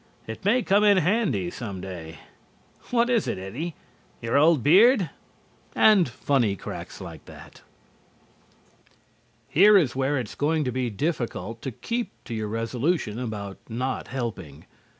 It may come in handy some day. What is it, Eddie? Your old beard?" And funny cracks like that. Here is where it is going to be difficult to keep to your resolution about not helping.